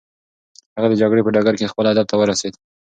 هغه د جګړې په ډګر کې خپل هدف ته ورسېد.